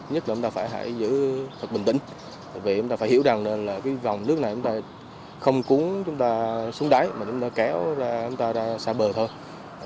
chúng ta phải giữ thật bình tĩnh vì em ta phải hiểu rằng vòng nước này không cúng chúng ta xuống đáy mà chúng ta kéo ra xa bờ thôi